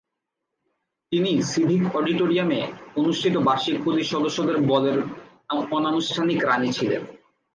তিনি সিভিক অডিটোরিয়ামে অনুষ্ঠিত বার্ষিক পুলিশ সদস্যদের বলের অনানুষ্ঠানিক "রাণী" ছিলেন।